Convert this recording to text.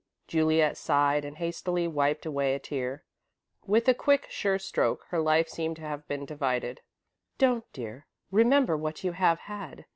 Juliet sighed and hastily wiped away a tear. With a quick, sure stroke, her life seemed to have been divided. "Don't, dear. Remember what you have had.